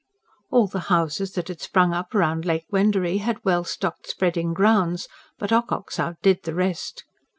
All the houses that had sprung up round Lake Wendouree had well stocked spreading grounds; but Ocock's outdid the rest.